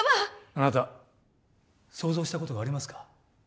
あなた想像したことがありますか？